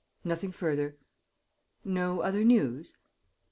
"Nothing further." "No other news?"